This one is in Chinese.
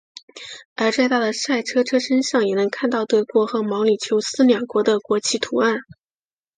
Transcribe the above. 而在他的赛车车身上也能看到德国和毛里求斯两国的国旗图案。